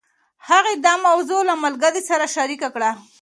هغې دا موضوع له ملګرې سره شريکه کړه.